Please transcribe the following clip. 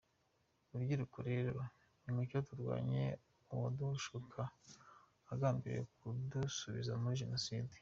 Rubyiruko rero nimucyo turwanye uwadushuka agambiriye kudusubiza muri Jenoside.